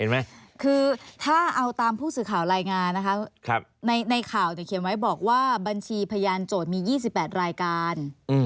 คือถ้าเอาตามผู้สื่อข่าวรายงานนะคะในข่าวเขียนไว้บอกว่าบัญชีพยานโจทย์มี๒๘รายการ